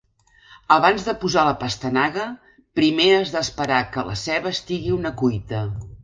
Abans de posar la pastanaga, primer has d'esperar que la ceba estigui una cuita.